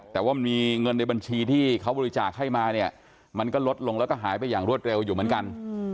แต่ว่ามันมีเงินในบัญชีที่เขาบริจาคให้มาเนี่ยมันก็ลดลงแล้วก็หายไปอย่างรวดเร็วอยู่เหมือนกัน